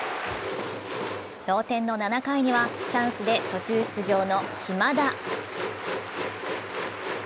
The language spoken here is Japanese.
同点の７回にはチャンスで途中出場の島田。